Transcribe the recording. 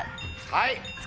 はい。